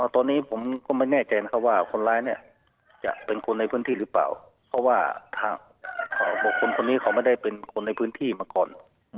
ตอนนี้ผมก็ไม่แน่ใจครับว่าคนร้ายเนี่ยจะเป็นคนในพื้นที่หรือเปล่าเพราะว่าทางบุคคลคนนี้เขาไม่ได้เป็นคนในพื้นที่มาก่อน